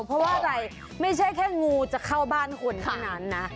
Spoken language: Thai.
เพราะว่าอะไรไม่ใช่แค่งูจะเข้าบ้านคนเท่านั้นนะ